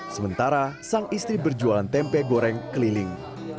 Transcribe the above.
sementara sang istri berjualan tempe goreng keliling